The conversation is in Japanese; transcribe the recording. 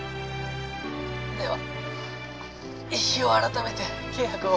では日を改めて契約を。